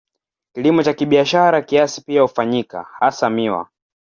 Kilimo cha kibiashara kiasi pia hufanyika, hasa miwa.